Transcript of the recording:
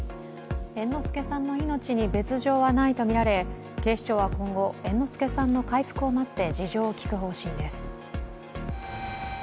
猿之助さんの命に別状はないとみられ、警視庁は今後、猿之助さんの回復を待って事情を聴く方針です。